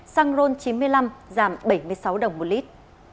xăng ron chín mươi năm giảm bảy mươi sáu đồng một lít